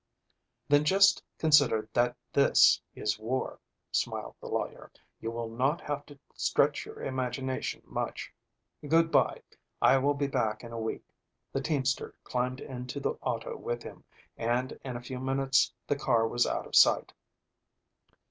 "Then just consider that this is war," smiled the lawyer. "You will not have to stretch your imagination much. Good by. I will be back in a week." The teamster climbed into the auto with him and in a few minutes the car was out of sight.